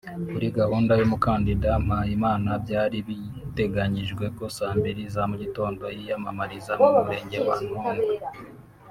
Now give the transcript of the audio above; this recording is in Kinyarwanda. Kuri gahunda y’ umukandida Mpayimana byari biteganyijwe ko saa mbili za mugitongo yiyamamariza mu murenge wa Ntongwe